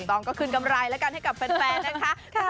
ต้องก็คืนกำไรแล้วกันให้กับแฟนนะคะ